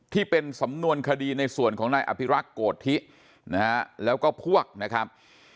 ที่เป็นสำนวนคดีในส่วนของนายอภิรักษ์โกธินะฮะแล้วก็พวกนะครับ